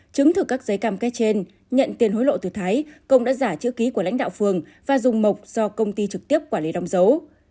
chứng thực các giấy cam kết trên nhận tiền hối lộ từ thái công đã giả chữ ký của lãnh đạo phường và dùng mộc do công ty trực tiếp quản lý đóng dấu